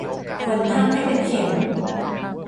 ฝนทั่งให้เป็นเข็ม